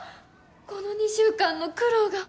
この２週間の苦労が。